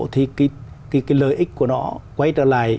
thì cái lợi ích của nó quay trở lại